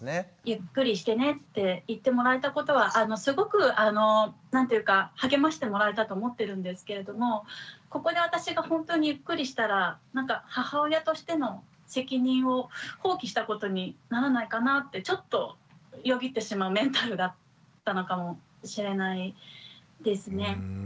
ゆっくりしてねって言ってもらえたことはすごくあの何ていうか励ましてもらえたと思ってるんですけれどもここで私が本当にゆっくりしたらなんか母親としての責任を放棄したことにならないかなってちょっとよぎってしまうメンタルだったのかもしれないですね。